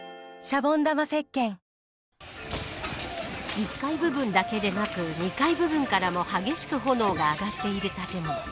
１階部分だけでなく２階部分からも激しく炎が上がっている建物。